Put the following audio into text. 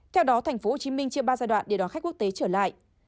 theo đó tp hcm chia ba giai đoạn để đón khách quốc tế trở lại